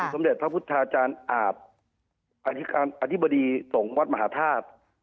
สมเด็จพระพุทธาจารย์อาบอธิบดีสงฆ์วัดมหาธาตุ